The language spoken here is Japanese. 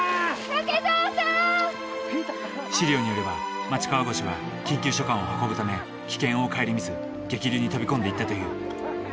史料によれば待川越は緊急書簡を運ぶため危険を顧みず激流に飛び込んでいったという。